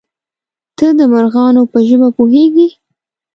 _ته د مرغانو په ژبه پوهېږې؟